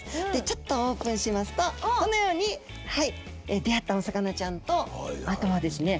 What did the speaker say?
ちょっとオープンしますとこのように出会ったお魚ちゃんとあとはですね